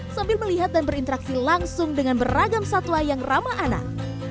sambil melihat dan berinteraksi langsung dengan beragam satwa yang ramah anak